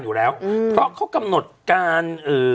อยู่แล้วเพราะเขากำหนดการ